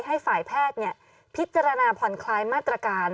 ให้ฝ่ายแพทย์พิจารณาผ่อนคลายมาตรการ